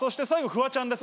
フワちゃん。